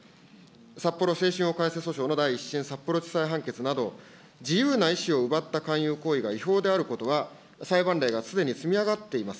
札幌訴訟の第１審、札幌地裁判決など、自由な意思を奪った勧誘行為が違法であることは、裁判例がすでに積み上がっています。